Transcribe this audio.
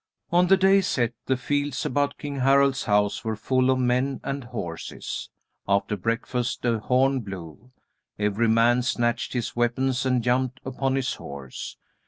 On the day set, the fields about King Harald's house were full of men and horses. After breakfast a horn blew. Every man snatched his weapons and jumped upon his horse.